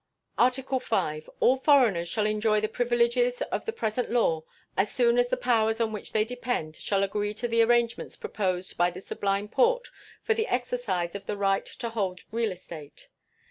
ART. V. All foreigners shall enjoy the privileges of the present law as soon as the powers on which they depend shall agree to the arrangements proposed by the Sublime Porte for the exercise of the right to hold real estate.